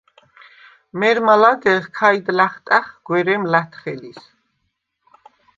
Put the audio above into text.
მერმა ლადეღ ქაიდ ლა̈ხტა̈ხხ გვერემ ლა̈თხელის.